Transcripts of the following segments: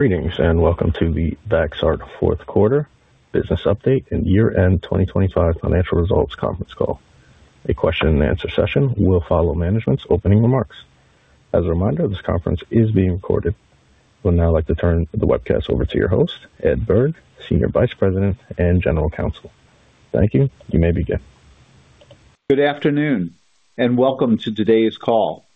Greetings, and welcome to the Vaxart fourth quarter business update and year-end 2025 financial results conference call. A question-and-answer session will follow management's opening remarks. As a reminder, this conference is being recorded. I would now like to turn the webcast over to your host, Edward Berg, Senior Vice President and General Counsel. Thank you. You may begin. Good afternoon and welcome to today's call.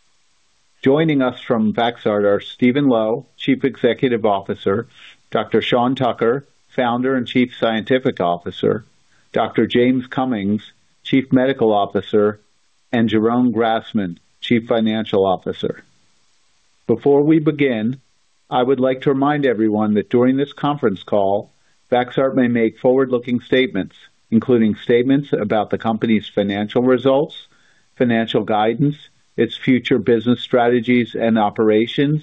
Joining us from Vaxart are Steven Lo, Chief Executive Officer, Dr. Sean Tucker, Founder and Chief Scientific Officer, Dr. James F. Cummings, Chief Medical Officer, and Jeroen Grasman, Chief Financial Officer. Before we begin, I would like to remind everyone that during this conference call, Vaxart may make forward-looking statements, including statements about the company's financial results, financial guidance, its future business strategies and operations,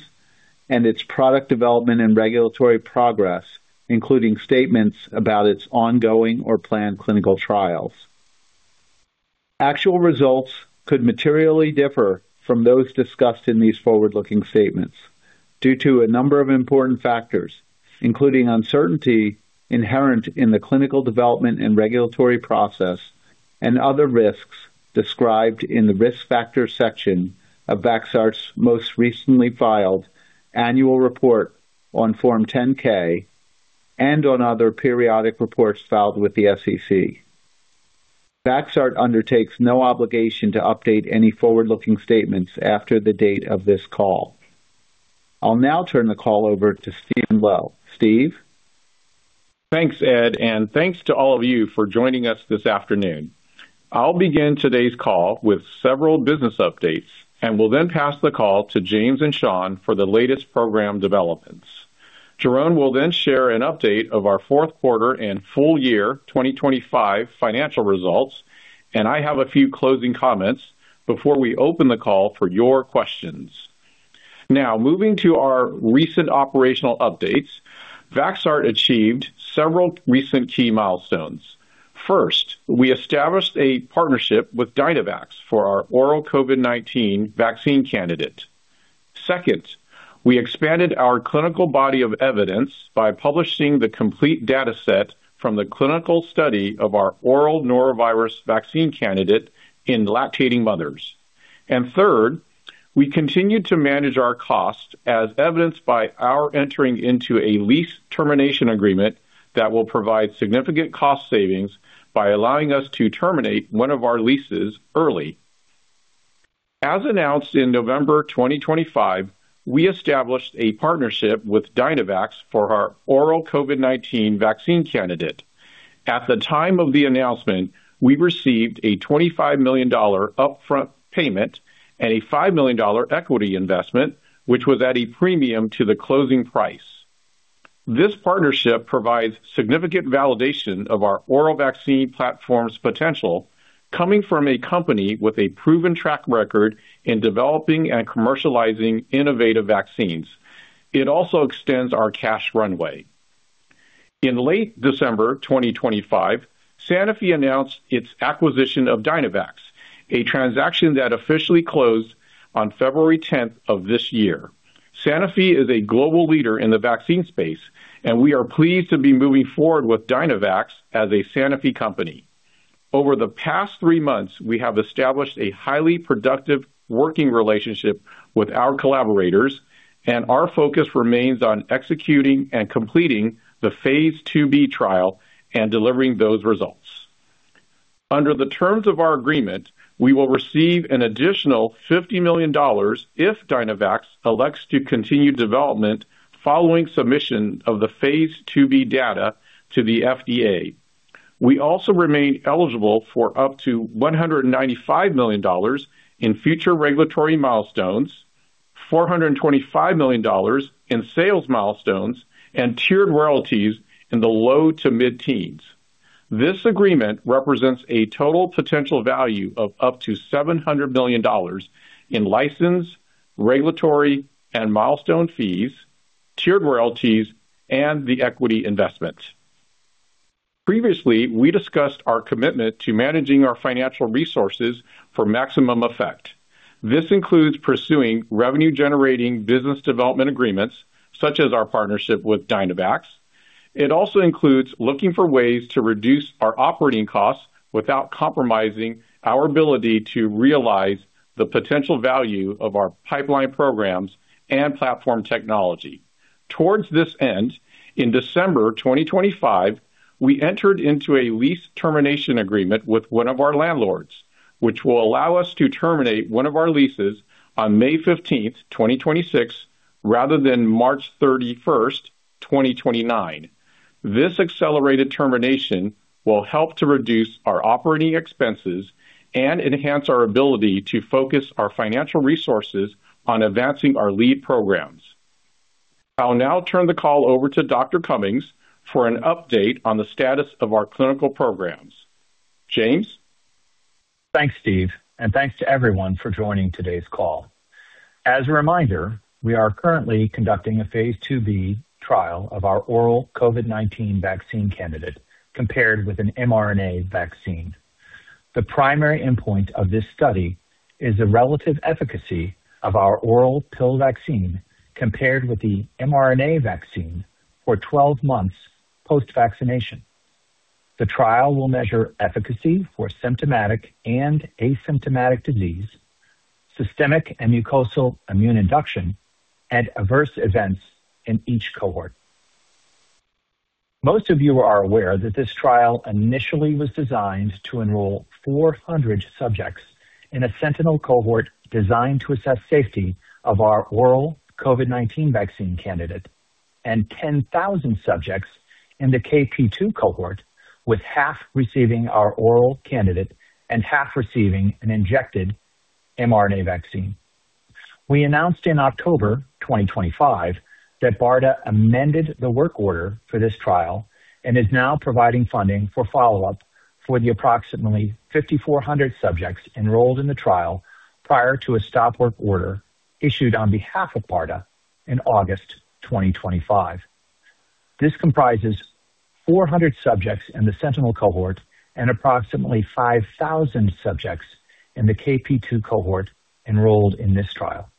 and its product development and regulatory progress, including statements about its ongoing or planned clinical trials. Actual results could materially differ from those discussed in these forward-looking statements due to a number of important factors, including uncertainty inherent in the clinical development and regulatory process and other risks described in the Risk Factors section of Vaxart's most recently filed annual report on Form 10-K and on other periodic reports filed with the SEC. Vaxart undertakes no obligation to update any forward-looking statements after the date of this call. I'll now turn the call over to Steven Lo. Steve. Thanks, Ed, and thanks to all of you for joining us this afternoon. I'll begin today's call with several business updates and will then pass the call to James and Sean for the latest program developments. Jeroen will then share an update of our fourth quarter and full year 2025 financial results, and I have a few closing comments before we open the call for your questions. Now moving to our recent operational updates. Vaxart achieved several recent key milestones. First, we established a partnership with Dynavax for our oral COVID-19 vaccine candidate. Second, we expanded our clinical body of evidence by publishing the complete data set from the clinical study of our oral norovirus vaccine candidate in lactating mothers. Third, we continued to manage our costs as evidenced by our entering into a lease termination agreement that will provide significant cost savings by allowing us to terminate one of our leases early. As announced in November 2025, we established a partnership with Dynavax for our oral COVID-19 vaccine candidate. At the time of the announcement, we received a $25 million upfront payment and a $5 million equity investment, which was at a premium to the closing price. This partnership provides significant validation of our oral vaccine platform's potential, coming from a company with a proven track record in developing and commercializing innovative vaccines. It also extends our cash runway. In late December 2025, Sanofi announced its acquisition of Dynavax, a transaction that officially closed on February 10 of this year. Sanofi is a global leader in the vaccine space, and we are pleased to be moving forward with Dynavax as a Sanofi company. Over the past three months, we have established a highly productive working relationship with our collaborators, and our focus remains on executing and completing the phase 2B trial and delivering those results. Under the terms of our agreement, we will receive an additional $50 million if Dynavax elects to continue development following submission of the phase 2B data to the FDA. We also remain eligible for up to $195 million in future regulatory milestones, $425 million in sales milestones, and tiered royalties in the low to mid-teens. This agreement represents a total potential value of up to $700 million in license, regulatory and milestone fees, tiered royalties, and the equity investment. Previously, we discussed our commitment to managing our financial resources for maximum effect. This includes pursuing revenue-generating business development agreements such as our partnership with Dynavax. It also includes looking for ways to reduce our operating costs without compromising our ability to realize the potential value of our pipeline programs and platform technology. Towards this end, in December 2025, we entered into a lease termination agreement with one of our landlords, which will allow us to terminate one of our leases on May 15, 2026, rather than March 31, 2029. This accelerated termination will help to reduce our operating expenses and enhance our ability to focus our financial resources on advancing our lead programs. I'll now turn the call over to Dr. Cummings for an update on the status of our clinical programs. James. Thanks, Steve, and thanks to everyone for joining today's call. As a reminder, we are currently conducting a phase 2b trial of our oral COVID-19 vaccine candidate compared with an mRNA vaccine. The primary endpoint of this study is the relative efficacy of our oral pill vaccine compared with the mRNA vaccine for 12 months post-vaccination. The trial will measure efficacy for symptomatic and asymptomatic disease, systemic and mucosal immune induction, and adverse events in each cohort. Most of you are aware that this trial initially was designed to enroll 400 subjects in a sentinel cohort designed to assess safety of our oral COVID-19 vaccine candidate and 10,000 subjects in the KP2 cohort, with half receiving our oral candidate and half receiving an injected mRNA vaccine. We announced in October 2025 that BARDA amended the work order for this trial and is now providing funding for follow-up for the approximately 5,400 subjects enrolled in the trial prior to a stop work order issued on behalf of BARDA in August 2025. This comprises 400 subjects in the sentinel cohort and approximately 5,000 subjects in the KP2 cohort enrolled in this trial.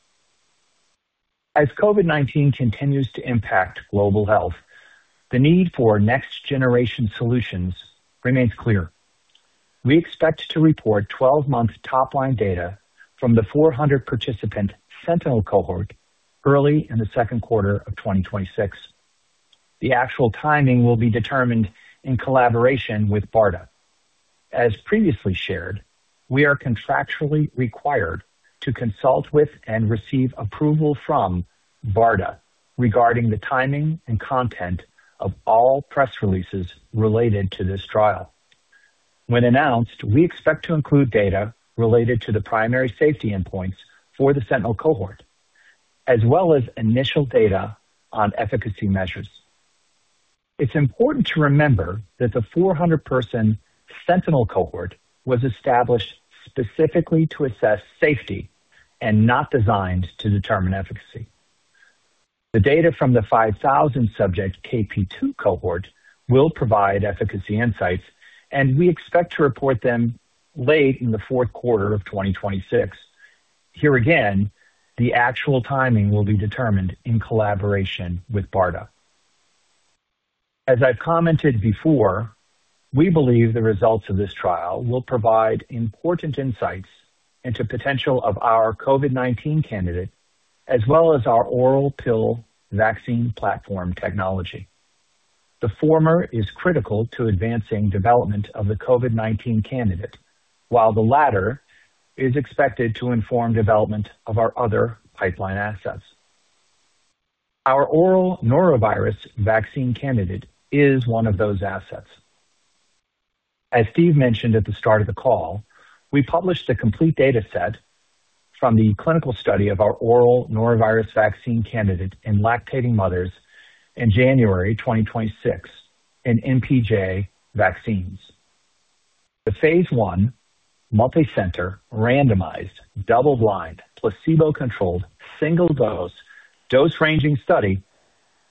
As COVID-19 continues to impact global health, the need for next-generation solutions remains clear. We expect to report 12-month top-line data from the 400-participant sentinel cohort early in the second quarter of 2026. The actual timing will be determined in collaboration with BARDA. As previously shared, we are contractually required to consult with and receive approval from BARDA regarding the timing and content of all press releases related to this trial. When announced, we expect to include data related to the primary safety endpoints for the sentinel cohort, as well as initial data on efficacy measures. It's important to remember that the 400-person sentinel cohort was established specifically to assess safety and not designed to determine efficacy. The data from the 5,000-subject KP2 cohort will provide efficacy insights, and we expect to report them late in the fourth quarter of 2026. Here again, the actual timing will be determined in collaboration with BARDA. As I've commented before, we believe the results of this trial will provide important insights into potential of our COVID-19 candidate as well as our oral pill vaccine platform technology. The former is critical to advancing development of the COVID-19 candidate, while the latter is expected to inform development of our other pipeline assets. Our oral norovirus vaccine candidate is one of those assets. As Steve mentioned at the start of the call, we published a complete data set from the clinical study of our oral norovirus vaccine candidate in lactating mothers in January 2026 in npj Vaccines. The phase 1 multi-center randomized double-blind placebo-controlled single-dose dose-ranging study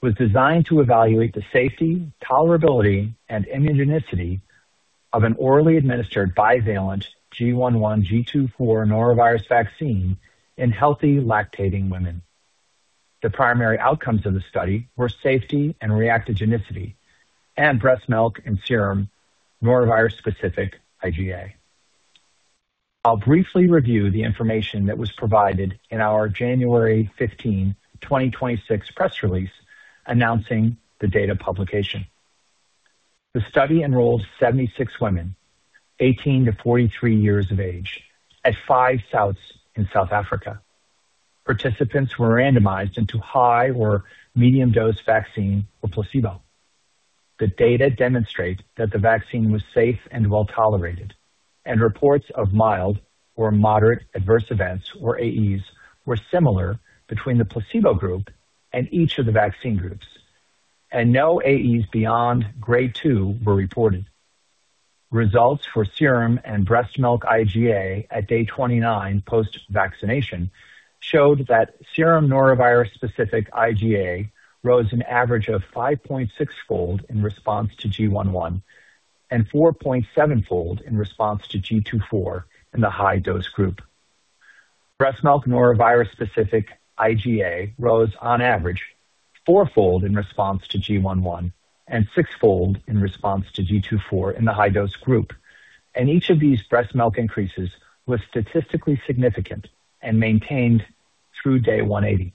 was designed to evaluate the safety, tolerability, and immunogenicity of an orally administered bivalent GI.1 GII.4 norovirus vaccine in healthy lactating women. The primary outcomes of the study were safety and reactogenicity and breast milk and serum norovirus-specific IgA. I'll briefly review the information that was provided in our January 15, 2026 press release announcing the data publication. The study enrolled 76 women 18-43 years of age at five sites in South Africa. Participants were randomized into high or medium dose vaccine or placebo. The data demonstrate that the vaccine was safe and well tolerated, and reports of mild or moderate adverse events or AEs were similar between the placebo group and each of the vaccine groups, and no AEs beyond grade two were reported. Results for serum and breast milk IgA at day 29 post-vaccination showed that serum norovirus-specific IgA rose an average of 5.6-fold in response to GI.1 and 4.7-fold in response to GII.4 in the high-dose group. Breast milk norovirus-specific IgA rose on average four-fold in response to GI.1 and six-fold in response to GII.4 in the high-dose group. Each of these breast milk increases was statistically significant and maintained through day 180.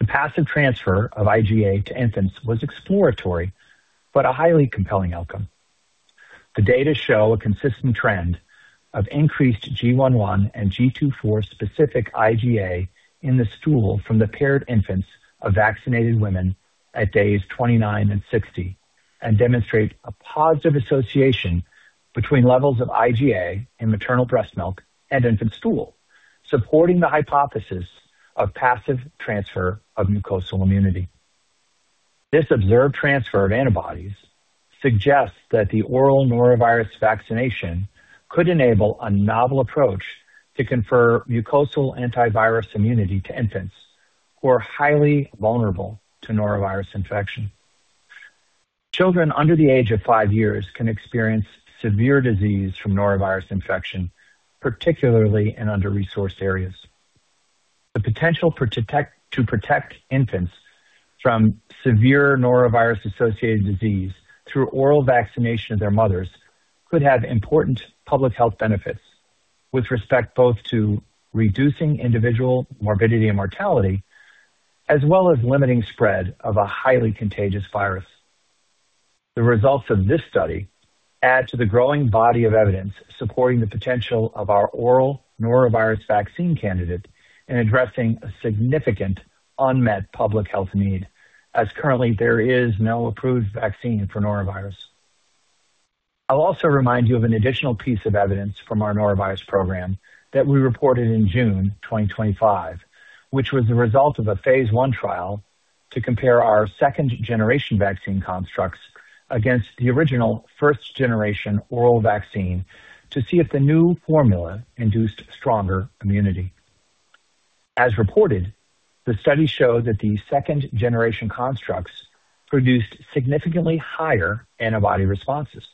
The passive transfer of IgA to infants was exploratory, but a highly compelling outcome. The data show a consistent trend of increased GI.1 and GII.4 specific IgA in the stool from the paired infants of vaccinated women at days 29 and 60 and demonstrate a positive association between levels of IgA in maternal breast milk and infant stool, supporting the hypothesis of passive transfer of mucosal immunity. This observed transfer of antibodies suggests that the oral norovirus vaccination could enable a novel approach to confer mucosal antiviral immunity to infants who are highly vulnerable to norovirus infection. Children under the age of five years can experience severe disease from norovirus infection, particularly in under-resourced areas. The potential to protect infants from severe norovirus-associated disease through oral vaccination of their mothers could have important public health benefits with respect both to reducing individual morbidity and mortality, as well as limiting spread of a highly contagious virus. The results of this study add to the growing body of evidence supporting the potential of our oral norovirus vaccine candidate in addressing a significant unmet public health need, as currently there is no approved vaccine for norovirus. I'll also remind you of an additional piece of evidence from our norovirus program that we reported in June 2025, which was the result of a phase 1 trial to compare our second-generation vaccine constructs against the original first-generation oral vaccine to see if the new formula induced stronger immunity. As reported, the study showed that the second-generation constructs produced significantly higher antibody responses,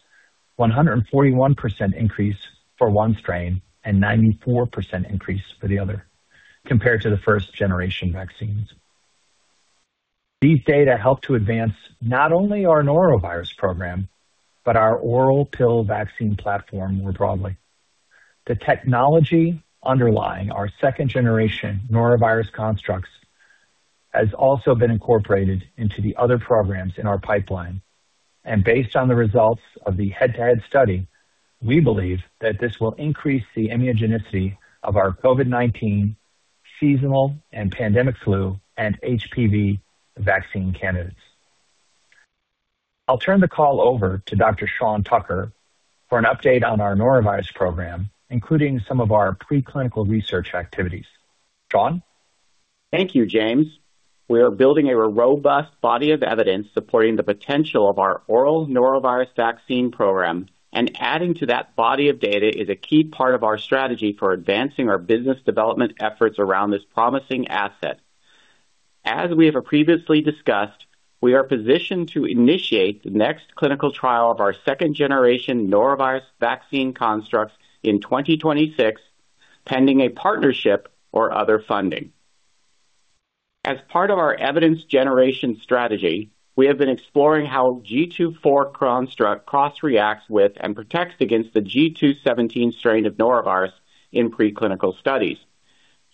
141% increase for one strain and 94% increase for the other, compared to the first-generation vaccines. These data help to advance not only our norovirus program, but our oral pill vaccine platform more broadly. The technology underlying our second-generation norovirus constructs has also been incorporated into the other programs in our pipeline. Based on the results of the head-to-head study, we believe that this will increase the immunogenicity of our COVID-19 seasonal and pandemic flu and HPV vaccine candidates. I'll turn the call over to Dr. Sean Tucker for an update on our norovirus program, including some of our preclinical research activities. Sean? Thank you, James. We are building a robust body of evidence supporting the potential of our oral norovirus vaccine program, and adding to that body of data is a key part of our strategy for advancing our business development efforts around this promising asset. As we have previously discussed, we are positioned to initiate the next clinical trial of our second-generation norovirus vaccine constructs in 2026, pending a partnership or other funding. As part of our evidence generation strategy, we have been exploring how GII.4 construct cross-reacts with and protects against the GII.17 strain of norovirus in preclinical studies.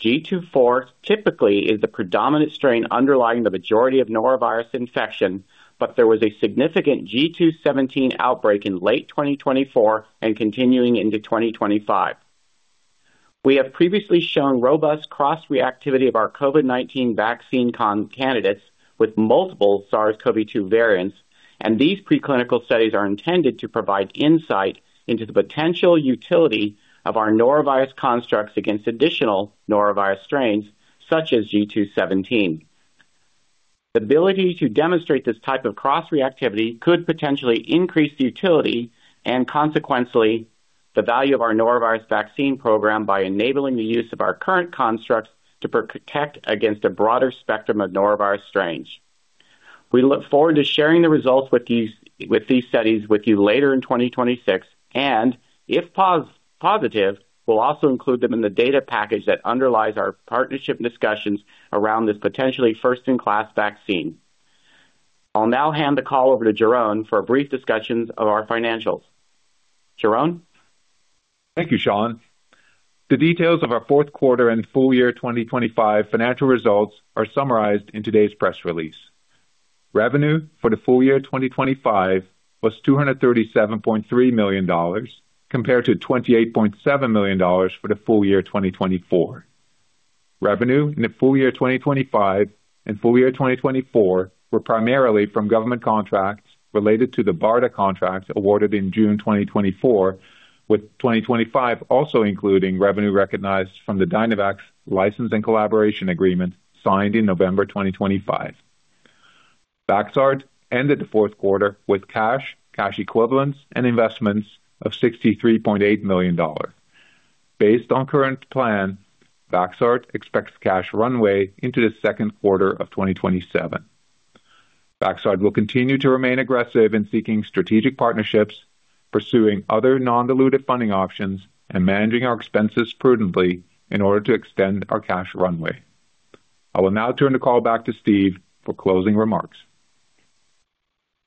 GII.4 typically is the predominant strain underlying the majority of norovirus infection, but there was a significant GII.17 outbreak in late 2024 and continuing into 2025. We have previously shown robust cross-reactivity of our COVID-19 vaccine candidates with multiple SARS-CoV-2 variants, and these preclinical studies are intended to provide insight into the potential utility of our norovirus constructs against additional norovirus strains, such as GII.17. The ability to demonstrate this type of cross-reactivity could potentially increase the utility and consequently the value of our norovirus vaccine program by enabling the use of our current constructs to protect against a broader spectrum of norovirus strains. We look forward to sharing the results with these studies with you later in 2026 and if positive, we'll also include them in the data package that underlies our partnership discussions around this potentially first-in-class vaccine. I'll now hand the call over to Jeroen for a brief discussion of our financials. Jeroen? Thank you, Sean. The details of our fourth quarter and full year 2025 financial results are summarized in today's press release. Revenue for the full year 2025 was $237.3 million compared to $28.7 million for the full year 2024. Revenue in the full year 2025 and full year 2024 were primarily from government contracts related to the BARDA contract awarded in June 2024, with 2025 also including revenue recognized from the Dynavax license and collaboration agreement signed in November 2025. Vaxart ended the fourth quarter with cash equivalents and investments of $63.8 million. Based on current plan, Vaxart expects cash runway into the second quarter of 2027. Vaxart will continue to remain aggressive in seeking strategic partnerships, pursuing other non-dilutive funding options, and managing our expenses prudently in order to extend our cash runway. I will now turn the call back to Steve for closing remarks.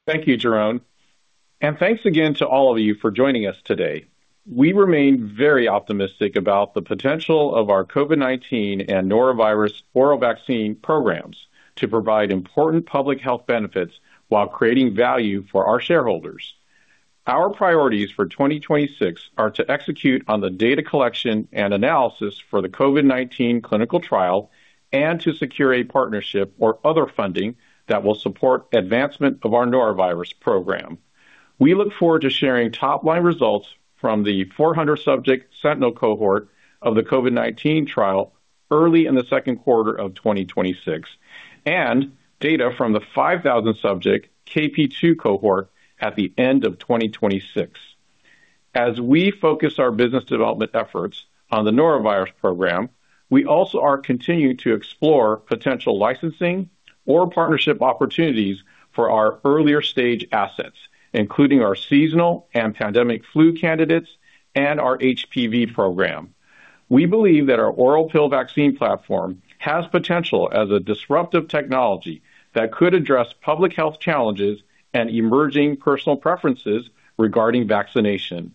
Thank you, Jeroen. Thanks again to all of you for joining us today. We remain very optimistic about the potential of our COVID-19 and norovirus oral vaccine programs to provide important public health benefits while creating value for our shareholders. Our priorities for 2026 are to execute on the data collection and analysis for the COVID-19 clinical trial and to secure a partnership or other funding that will support advancement of our norovirus program. We look forward to sharing top-line results from the 400-subject Sentinel cohort of the COVID-19 trial early in the second quarter of 2026, and data from the 5,000-subject KP2 cohort at the end of 2026. As we focus our business development efforts on the norovirus program, we also are continuing to explore potential licensing or partnership opportunities for our earlier stage assets, including our seasonal and pandemic flu candidates and our HPV program. We believe that our oral pill vaccine platform has potential as a disruptive technology that could address public health challenges and emerging personal preferences regarding vaccination.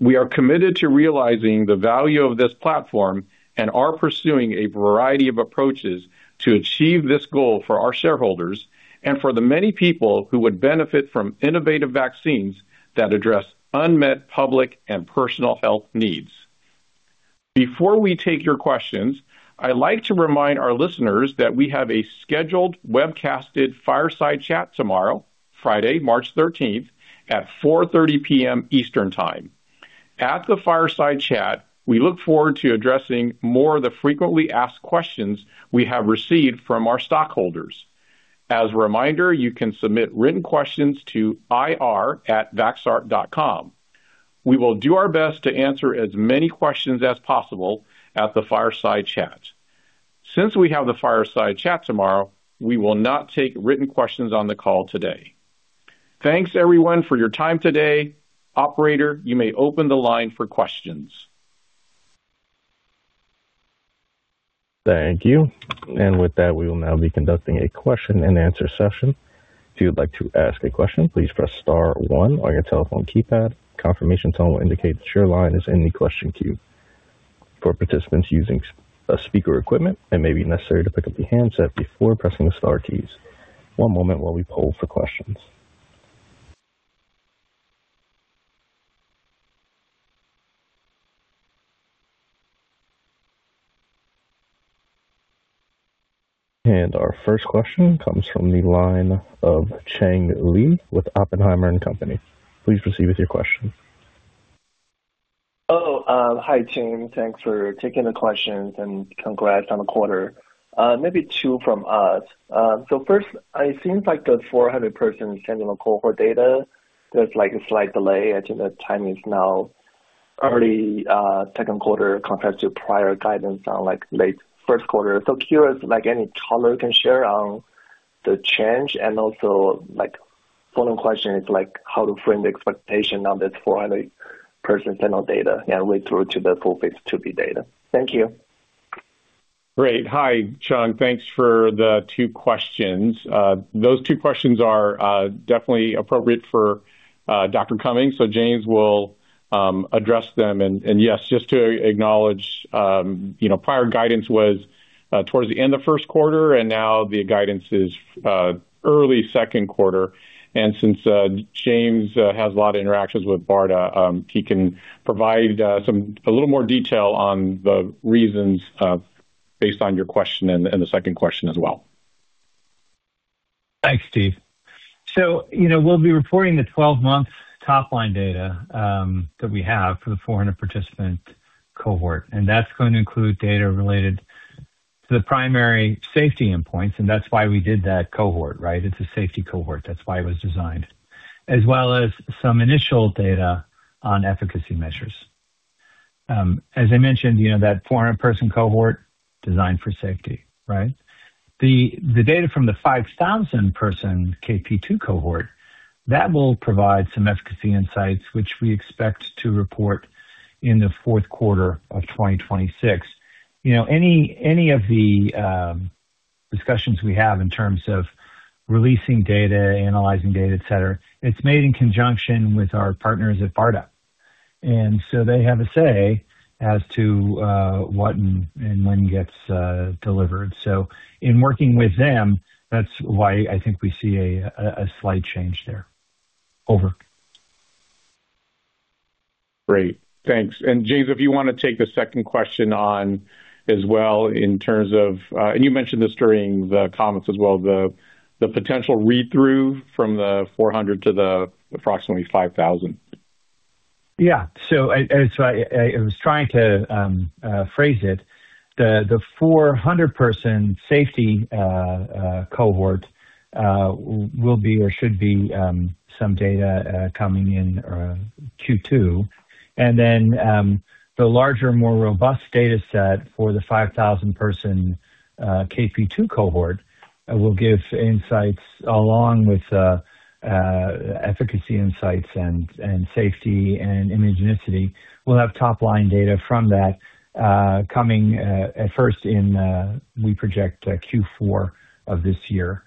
We are committed to realizing the value of this platform and are pursuing a variety of approaches to achieve this goal for our shareholders and for the many people who would benefit from innovative vaccines that address unmet public and personal health needs. Before we take your questions, I'd like to remind our listeners that we have a scheduled webcasted fireside chat tomorrow, Friday, March 13 at 4:30 P.M. Eastern Time. At the fireside chat, we look forward to addressing more of the frequently asked questions we have received from our stockholders. As a reminder, you can submit written questions to ir@vaxart.com. We will do our best to answer as many questions as possible at the fireside chat. Since we have the fireside chat tomorrow, we will not take written questions on the call today. Thanks, everyone, for your time today. Operator, you may open the line for questions. Thank you. With that, we will now be conducting a question-and-answer session. If you would like to ask a question, please press star one on your telephone keypad. Confirmation tone will indicate that your line is in the question queue. For participants using speaker equipment, it may be necessary to pick up the handset before pressing the star keys. One moment while we poll for questions. Our first question comes from the line of Cheng Li with Oppenheimer & Co. Please proceed with your question. Hi team. Thanks for taking the questions and congrats on the quarter. Maybe two from us. First, it seems like the 400-person sentinel cohort data, there's like a slight delay. I think the timing is now early second quarter compared to prior guidance on like late first quarter. Curious like any color you can share on the change and also like follow-up question is like how to frame the expectation on this 400-person sentinel cohort data and way through to the full phase 2b data. Thank you. Great. Hi, Cheng. Thanks for the two questions. Those two questions are definitely appropriate for Dr. Cummings. James will address them. Yes, just to acknowledge prior guidance was towards the end of first quarter and now the guidance is early second quarter. Since James has a lot of interactions with BARDA, he can provide a little more detail on the reasons based on your question and the second question as well. Thanks, Steve. We'll be reporting the 12-month top line data that we have for the 400 participant cohort, and that's going to include data related to the primary safety endpoints. That's why we did that cohort, right? It's a safety cohort. That's why it was designed. As well as some initial data on efficacy measures. As I mentioned, you know, that 400 person cohort designed for safety, right? The data from the 5,000 person KP2 cohort, that will provide some efficacy insights, which we expect to report in the fourth quarter of 2026. Any of the discussions we have in terms of releasing data, analyzing data, et cetera, it's made in conjunction with our partners at BARDA. They have a say as to what and when gets delivered. In working with them, that's why I think we see a slight change there. Over. Great. Thanks. James, if you want to take the second question on as well in terms of, and you mentioned this during the comments as well, the potential read-through from the 400 to the approximately 5,000. As I was trying to phrase it, the 400-person safety cohort will be or should be some data coming in Q2. The larger, more robust data set for the 5,000-person KP2 cohort will give insights along with efficacy insights and safety and immunogenicity. We'll have top line data from that coming in, we project Q4 of this year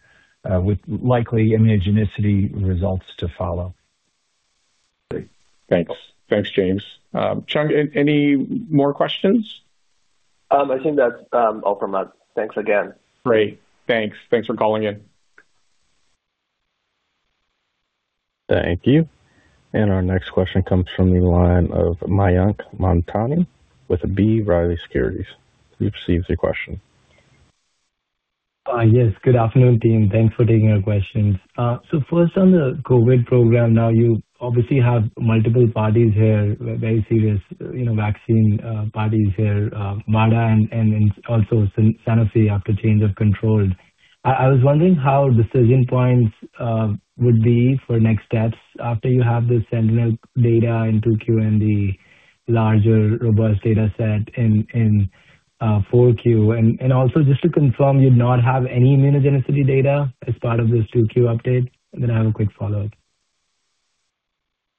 with likely immunogenicity results to follow. Great. Thanks. Thanks, James. Cheng, any more questions? I think that's all from us. Thanks again. Great. Thanks. Thanks for calling in. Thank you. Our next question comes from the line of Mayank Mamtani with B. Riley Securities. Please proceed with your question. Yes. Good afternoon, team. Thanks for taking our questions. First on the COVID program. Now you obviously have multiple parties here, very serious vaccine parties here, BARDA and also Sanofi after change of control. I was wondering how decision points would be for next steps after you have the Sentinel data in 2Q and the larger robust data set in 4Q. Also just to confirm, you'd not have any immunogenicity data as part of this 2Q update? Then I have a quick follow-up.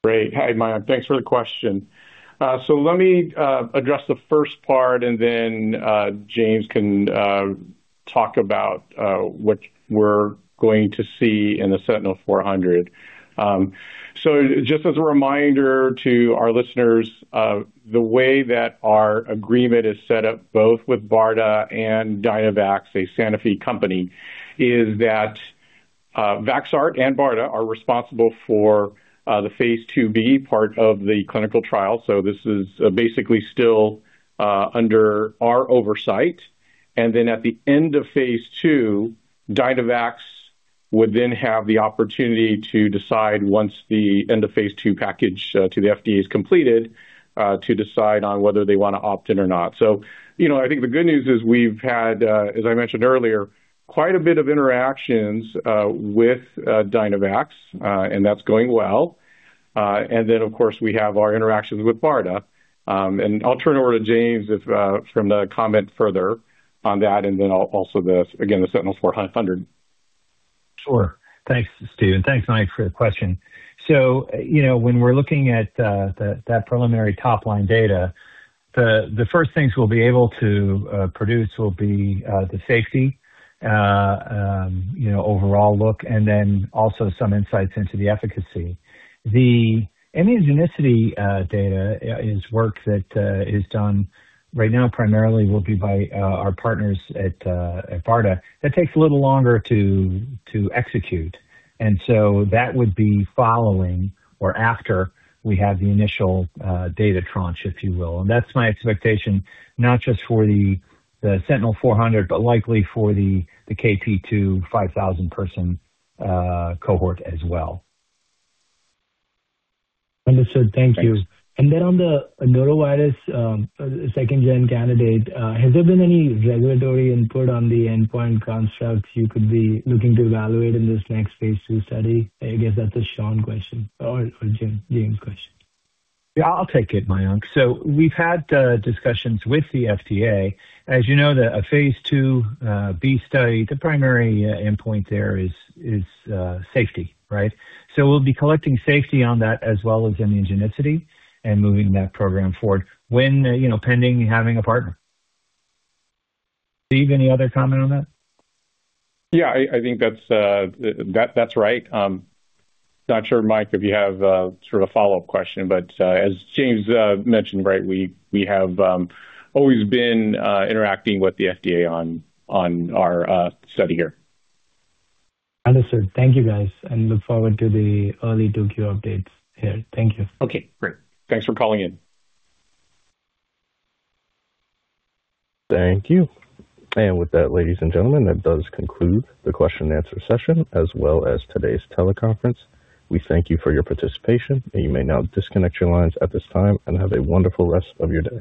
Great. Hi, Mayank. Thanks for the question. Let me address the first part and then James can talk about what we're going to see in the Sentinel 400. Just as a reminder to our listeners of the way that our agreement is set up both with BARDA and Dynavax, a Sanofi company, is that Vaxart and BARDA are responsible for the phase 2b part of the clinical trial. This is basically still under our oversight. At the end of phase 2, Dynavax would then have the opportunity to decide, once the end of phase 2 package to the FDA is completed, to decide on whether they want to opt in or not. I think the good news is we've had, as I mentioned earlier, quite a bit of interactions with Dynavax, and that's going well. Of course, we have our interactions with BARDA. I'll turn it over to James to comment further on that, and then also, again, the Sentinel 400. Sure. Thanks, Steve, and thanks, Mike, for the question. You know, when we're looking at that preliminary top-line data, the first things we'll be able to produce will be the safety overall look and then also some insights into the efficacy. The immunogenicity data is work that is done right now primarily by our partners at BARDA. That takes a little longer to execute. That would be following or after we have the initial data tranche, if you will. That's my expectation, not just for the Sentinel 400, but likely for the KP2 5,000-person cohort as well. Understood. Thank you. Thanks. On the norovirus second gen candidate, has there been any regulatory input on the endpoint constructs you could be looking to evaluate in this next phase 2 study? I guess that's a Sean question or James question. Yeah, I'll take it, Mayank. We've had discussions with the FDA. As you know that a phase 2b study, the primary endpoint there is safety, right? We'll be collecting safety on that as well as immunogenicity and moving that program forward when pending having a partner. Steve, any other comment on that? Yeah, I think that's right. Not sure, Mike, if you have sort of a follow-up question, but as James mentioned, right, we have always been interacting with the FDA on our study here. Understood. Thank you guys, and look forward to the early 2Q updates here. Thank you. Okay, great. Thanks for calling in. Thank you. With that, ladies and gentlemen, that does conclude the question and answer session as well as today's teleconference. We thank you for your participation, and you may now disconnect your lines at this time and have a wonderful rest of your day.